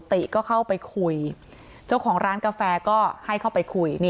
ติก็เข้าไปคุยเจ้าของร้านกาแฟก็ให้เข้าไปคุย